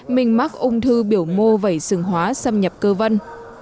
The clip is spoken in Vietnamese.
mình mắc ung thư biểu mô vẩy sừng hóa xâm nhập cơ vân